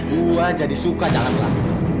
gua jadi suka jalan jalan